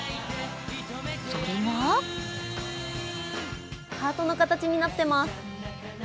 それがハートの形になっています。